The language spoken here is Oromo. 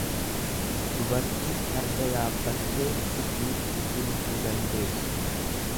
dubartii farda yaabbattee sirriitti gulufuu dandeessu.